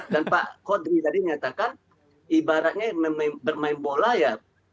pak kodri tadi menyatakan ibaratnya bermain bola ya